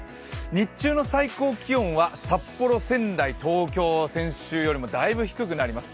日中の最高気温は札幌、仙台、東京は先週よりもだいぶ低くなります。